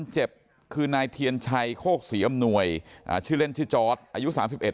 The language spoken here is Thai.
ชื่อเล่นชื่อจอสอายุ๓๑